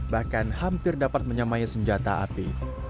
bahkan hampir dapat menyamai senjata api